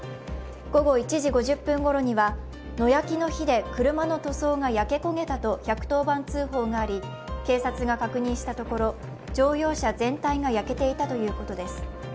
午後１時５０分ごろには野焼きの火で車の塗装が焼け焦げたと１１０番通報があり、警察が確認したところ、乗用車全体が焼けていたということです。